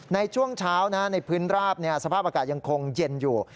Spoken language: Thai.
ในช่วงเช้าในพื้นราบสภาพอากาศยังคงเย็นอยู่